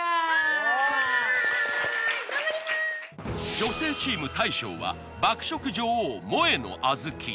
女性チーム大将は爆食女王もえのあずき。